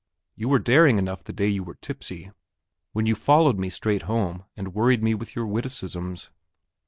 You were daring enough the day you were tipsy when you followed me straight home and worried me with your witticisms.